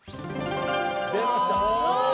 出ました。